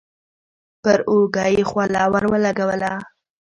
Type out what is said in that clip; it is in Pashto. پر اوږه يې خوله ور ولګوله.